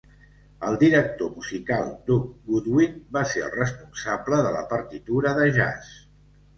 El director musical Doug Goodwin va ser el responsable de la partitura de jazz.